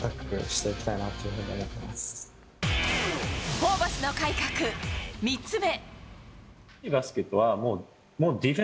ホーバスの改革、３つ目。